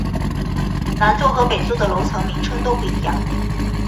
南座和北座的楼层名称都不一样。